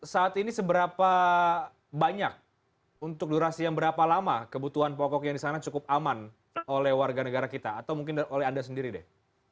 saat ini seberapa banyak untuk durasi yang berapa lama kebutuhan pokok yang di sana cukup aman oleh warga negara kita atau mungkin oleh anda sendiri deh